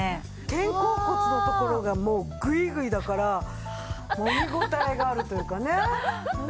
肩甲骨のところがもうグイグイだからもみごたえがあるというかね。